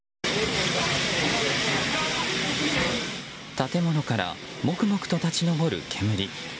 建物からモクモクと立ち上る煙。